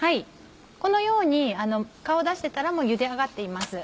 このように顔出してたらもうゆで上がっています。